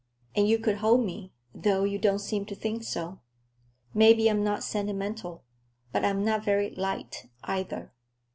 And you could hold me, though you don't seem to think so. Maybe I'm not sentimental, but I'm not very light, either.